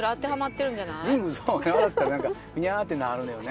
笑ったらフニャってなるのよね。